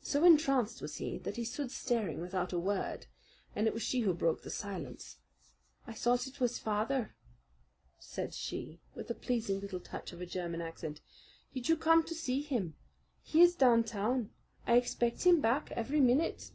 So entranced was he that he stood staring without a word, and it was she who broke the silence. "I thought it was father," said she with a pleasing little touch of a German accent. "Did you come to see him? He is down town. I expect him back every minute."